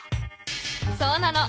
そうなの。